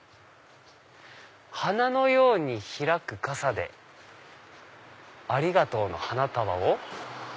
「花のように開く傘でありがとうの花束を」。